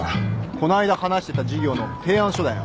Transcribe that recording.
この間話してた事業の提案書だよ。